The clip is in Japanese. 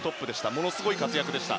ものすごい活躍でした。